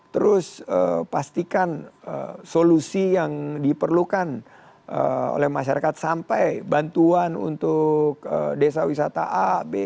terus pastikan solusi yang diperlukan oleh masyarakat sampai bantuan untuk desa wisata a b c itu harus jangan hanya di belakang meja